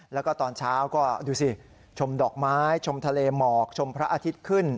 แล้วก็ตอนเช้าก็ดูสิชมดอกไม้ชมทะเลหมอกชมพระอาทิตย์ขึ้น